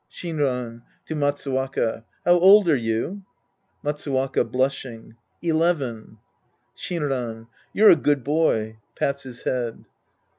Shinran (fo Matsuwaka). How old are you ? Matsuwaka {blushing). Eleven. Shinran. You're a good boy. {Pats his head.)